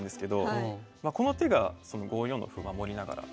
この手が５四の歩守りながら。